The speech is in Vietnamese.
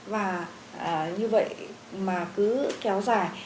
và như vậy mà cứ kéo dài